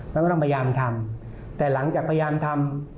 มันก็ต้องพยายามทำแต่หลังจากพยายามทำ